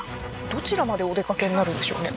どちらまでお出かけになるんでしょうね？